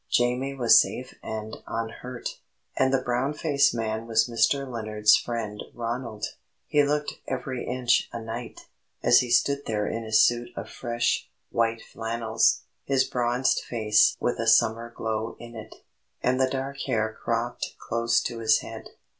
Jamie was safe and unhurt, and the brown faced man was Mr. Lennard's friend Ronald. He looked every inch a knight, as he stood there in his suit of fresh, white flannels, his bronzed face with a summer glow in it, and the dark hair cropped close to his head.